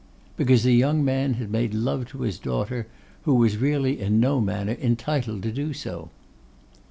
Because a young man had made love to his daughter, who was really in no manner entitled to do so.